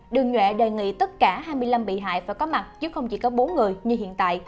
đường nhuệ đề nghị tất cả hai mươi năm bị hại phải có mặt chứ không chỉ có bốn người như hiện tại